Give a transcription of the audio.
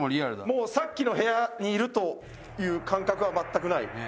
もうさっきの部屋にいるという感覚は全くないね。